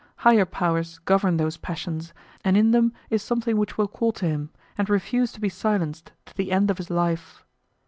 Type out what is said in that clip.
Higher powers govern those passions, and in them is something which will call to him, and refuse to be silenced, to the end of his life.